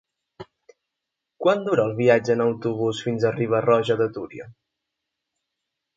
Quant dura el viatge en autobús fins a Riba-roja de Túria?